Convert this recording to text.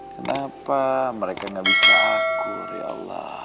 kenapa mereka gak bisa akur ya allah